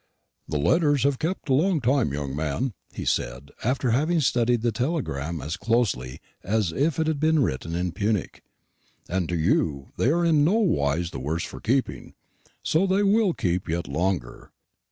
"The letters have kept a long time, young man," he said, after having studied the telegram as closely as if it had been written in Punic; "and to you, they are in nowise the worse for keeping: so they will keep yet longer.